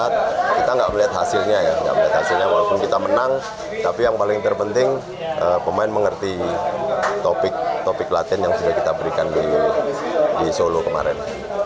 tidak melihat hasilnya walaupun kita menang tapi yang paling terpenting pemain mengerti topik topik latin yang sudah kita berikan di solo kemarin